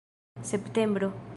septembro